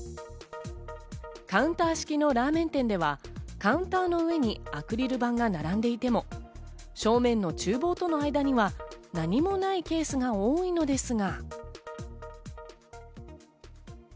カウンター式のラーメン店ではカウンターの上にアクリル板が並んでいても正面の厨房との間には、何もないケースが多いのですが。